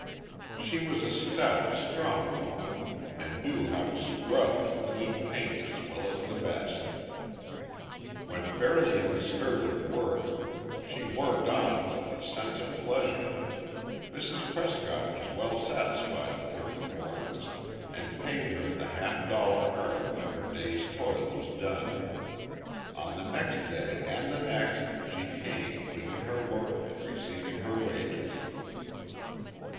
She was a stout, strong woman, and knew how to scrub and clean paint as well as the best. When fairly in the spirit of work, she worked on with a sense of pleasure. Mrs. Prescott was well satisfied with her performance, and paid her the half dollar earned when her day's toil was done. On the next day, and the next, she came, doing her work and receiving her wages.